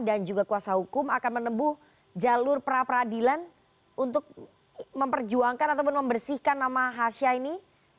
dan juga kuasa hukum akan menembus jalur pra peradilan untuk memperjuangkan ataupun membersihkan nama hasya ini